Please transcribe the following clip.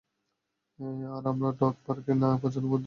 আর আমরা ডগ পার্কে না পৌঁছানো অবধি তুই অপেক্ষা কর, বন্ধু।